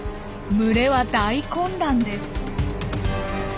群れは大混乱です。